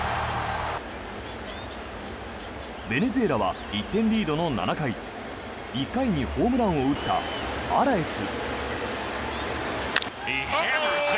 ベネズエラは１点リードの７回１回にホームランを打ったアラエス。